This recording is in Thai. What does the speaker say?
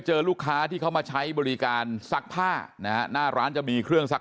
ลูกค้าที่เขามาใช้บริการซักผ้านะฮะหน้าร้านจะมีเครื่องซัก